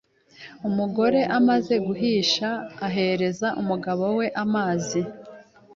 Umugore amaze guhisha, ahereza umugabo we amazi